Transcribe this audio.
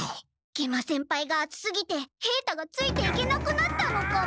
食満先輩があつすぎて平太がついていけなくなったのかも。